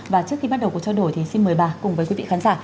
và trước khi bắt đầu cuộc trao đổi thì xin mời bà cùng với quý vị khán giả